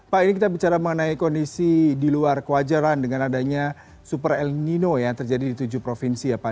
pak ini kita bicara mengenai kondisi di luar kewajaran dengan adanya super el nino yang terjadi di tujuh provinsi ya pak